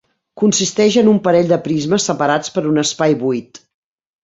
Consisteix en un parell de prismes separats per un espai buit.